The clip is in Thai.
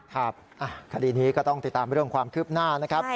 ครับคดีนี้ก็ต้องติดตามเรื่องความคืบหน้านะครับ